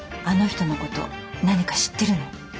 あの人のこと何か知ってるの？